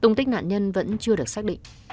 tùng tích nạn nhân vẫn chưa được xác định